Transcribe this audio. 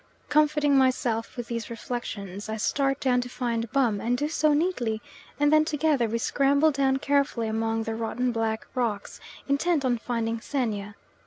Comforting myself with these reflections, I start down to find Bum, and do so neatly, and then together we scramble down carefully among the rotten black rocks, intent on finding Xenia.